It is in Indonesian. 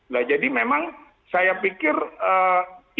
nah jadi memang saya pikir ini hanya masalah